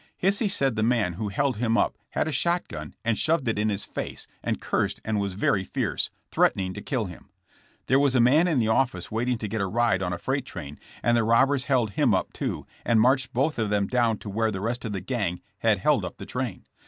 Hisey said the man who held him up had a shot gun and shoved it in his face and cursed and was very fierce, threatening to kill him. There was a man in the office waiting to get a ride on a freight train, and the robbers held him up, too, and marched both of them down to where the rest of the gang had held up the train.